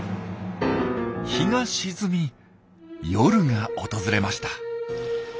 日が沈み夜が訪れました。